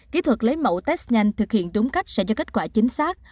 kỹ thuật lấy mẫu test nhanh thực hiện đúng cách sẽ cho kết quả chính xác